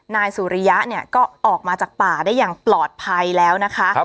นายสุริยะเนี่ยก็ออกมาจากป่าได้อย่างปลอดภัยแล้วนะคะ